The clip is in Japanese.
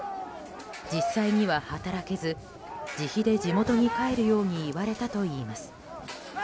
実際には働けず自費で地元に帰るように言われたといいます。